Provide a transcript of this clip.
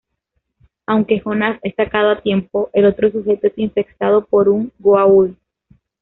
Aunque Jonas es sacado a tiempo, el otro sujeto es infectado por un Goa'uld.